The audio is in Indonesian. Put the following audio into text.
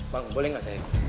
bang boleh gak saya